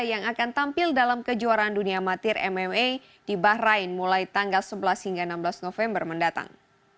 yang akan tampil dalam kejuaraan dunia amatir mma di bahrain mulai tanggal sebelas hingga enam belas november mendatang